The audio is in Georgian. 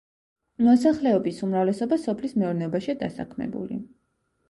მოსახლეობის უმრავლესობა სოფლის მეურნეობაშია დასაქმებული.